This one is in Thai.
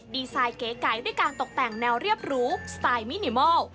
ดีไซน์เก๋ไก่ด้วยการตกแต่งแนวเรียบรู้สไตล์มินิมอล